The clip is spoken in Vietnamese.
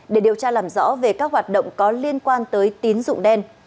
để điều tra làm rõ về các hoạt động có liên quan tới tín dụng đen